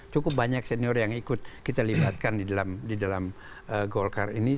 cukup banyak senior yang ikut kita libatkan di dalam golkar ini